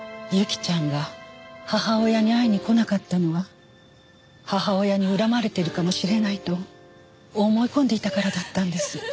侑希ちゃんが母親に会いに来なかったのは母親に恨まれてるかもしれないと思い込んでいたからだったんです。